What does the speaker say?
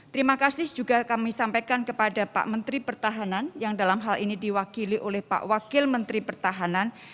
terima kasih juga kami sampaikan kepada pak menteri pertahanan yang dalam hal ini diwakili oleh pak wakil menteri pertahanan